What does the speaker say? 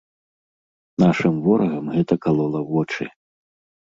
Нашым ворагам гэта калола вочы.